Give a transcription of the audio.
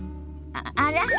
あら？